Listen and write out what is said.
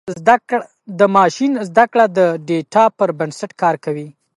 د ماشین زدهکړه د ډیټا پر بنسټ کار کوي.